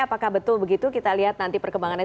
apakah betul begitu kita lihat nanti perkembangannya